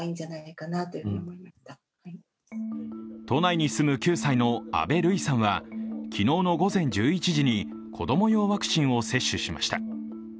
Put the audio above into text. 都内に住む阿部璃麗さんは昨日の午前１１時に子供用ワクチンを接種しました。